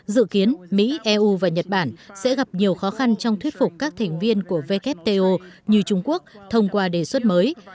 dự kiến mỹ eu và nhật bản sẽ gặp nhiều khó khăn trong thuyết phục các thành viên của wto như trung quốc thông qua đề xuất mới